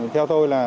theo tôi là